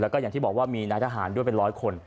แล้วก็อย่างที่บอกว่ามีนายทหารด้วยเป็นร้อยคน